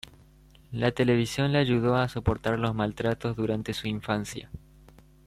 La television le ayudo a soportar los maltratos durante su infancia.